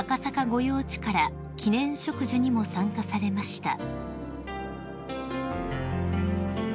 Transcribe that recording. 御用地から記念植樹にも参加されました］